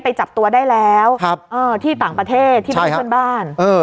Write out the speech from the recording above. ไปจับตัวได้แล้วครับเอ่อที่ต่างประเทศใช่ครับที่บ้านบ้านเออ